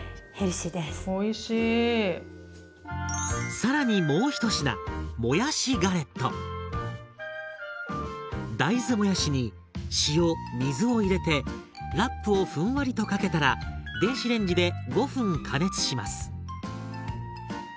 更にもう１品大豆もやしに塩水を入れてラップをふんわりとかけたら電子レンジで５分加熱します。